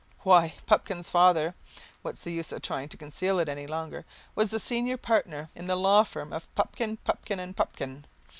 Why, Pupkin's father, what's the use of trying to conceal it any longer? was the senior partner in the law firm of Pupkin, Pupkin and Pupkin.